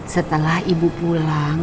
setelah ibu pulang